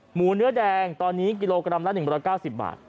หมูเนื้อแดงตอนนี้กิโลกรัมละ๑๙๐บาท